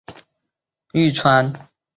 玉川站千日前线的铁路车站。